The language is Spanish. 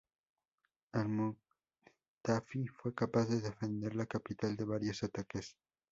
Al-Muqtafi fue capaz de defender la capital de varios ataques.